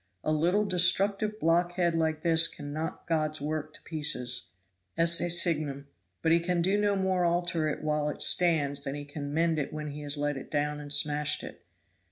A little destructive blockhead like this can knock God's work to pieces ecce signum but he can no more alter it while it stands than he can mend it when he has let it down and smashed it.